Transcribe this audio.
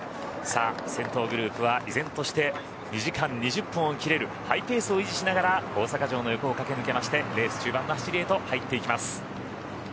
先頭グループは依然として２時間２０分を切れるハイペースを維持しながら大阪城の横を駆け抜けましてレース中盤の走りへと入っていきます。